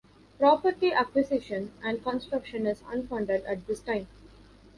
Property acquisition and construction is unfunded at this time.